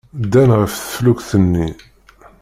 Ddan ɣef teflukt-nni.